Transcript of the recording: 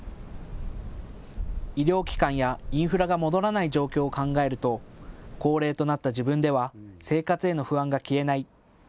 医療機関やインフラが戻らない状況を考えると高齢となった自分では生活への不安が消えない。